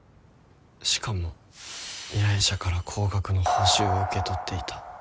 しかも依頼者から高額の報酬を受け取っていた。